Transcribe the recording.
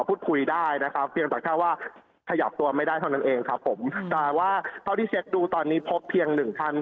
พูดคุยได้นะครับเพียงแต่แค่ว่าขยับตัวไม่ได้เท่านั้นเองครับผมแต่ว่าเท่าที่เช็คดูตอนนี้พบเพียงหนึ่งท่าน